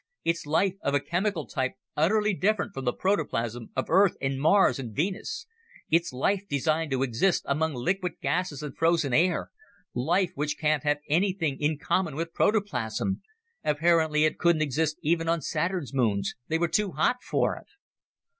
It's life of a chemical type utterly different from the protoplasm of Earth and Mars and Venus. It's life designed to exist among liquid gases and frozen air life which can't have anything in common with protoplasm. Apparently it couldn't exist even on Saturn's moons they were too hot for it!"